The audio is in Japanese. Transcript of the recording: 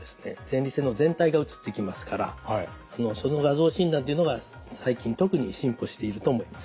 前立腺の全体が写ってきますからその画像診断っていうのが最近特に進歩していると思います。